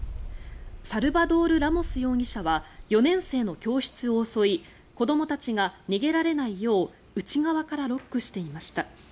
サルバドール・ラモス容疑者は４年生の教室を襲い子どもたちが逃げられないよう内側からロックしていました。